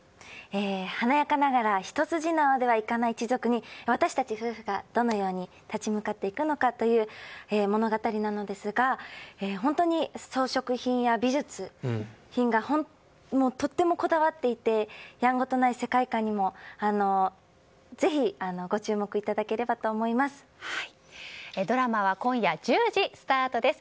華やかながら一筋縄ではいかない一族に私たち夫婦がどのように立ち向かっていくのかという物語なのですが本当に装飾品や美術品がとてもこだわっていてやんごとない世界観にもぜひご注目いただければとドラマは今夜１０時スタートです。